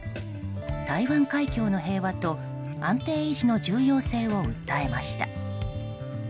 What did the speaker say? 台湾海峡の平和と安定維持の重要性を訴えました。